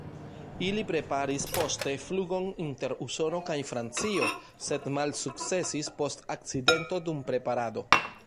Ili preparis poste flugon inter Usono kaj Francio sed malsukcesis post akcidento dum preparado.